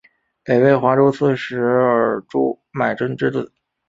北魏华州刺史尔朱买珍之子。